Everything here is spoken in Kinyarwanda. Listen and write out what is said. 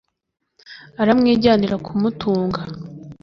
aramwijyanira kumutunga